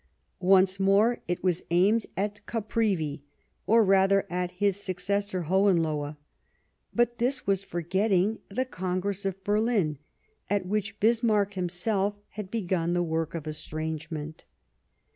Once more it was aimed at Caprivi, or rather at his successor, Hohenlohe ; but this was forgetting the Congress of Berlin, at which Bismarck himself had begun the work of estrangement.